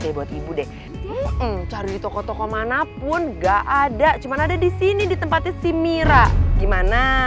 deh buat ibu deh cari di toko toko manapun enggak ada cuman ada di sini di tempatnya si mira gimana